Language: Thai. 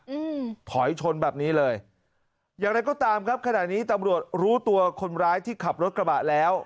อืมถอยชนแบบนี้เลยอย่างไรก็ตามครับขณะนี้ตำรวจรู้ตัวคนร้ายที่ขับรถกระบะแล้ว